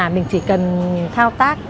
mình chỉ cần thao tác